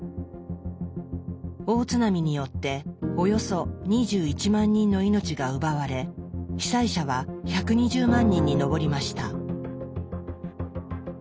大津波によっておよそ２１万人の命が奪われ被災者は１２０万人に上りました。